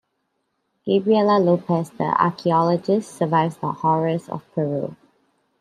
Gabriela Lopez The archeologist survives the horrors of Peru.